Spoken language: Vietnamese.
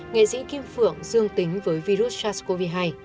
nghệ sĩ kim phượng dương tính với virus sars cov hai